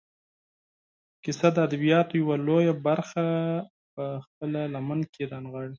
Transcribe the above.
کیسه د ادبیاتو یوه لویه برخه په خپله لمن کې رانغاړي.